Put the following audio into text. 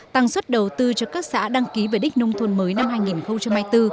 tăng suất đầu tư cho các xã đăng ký về đích nông thôn mới năm hai nghìn hai mươi bốn